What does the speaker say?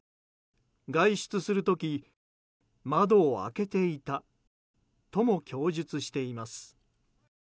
外出する時、窓を開けていたとも供述しています。